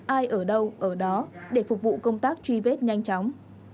ai ở đâu ở đó để phục vụ công tác truy vết nhanh chóng